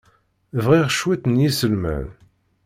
Bɣiɣ cwiṭ n yiselman.